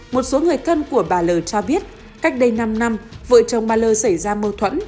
một số người thân của bà l cho biết cách đây năm năm vợ chồng bà lơ xảy ra mâu thuẫn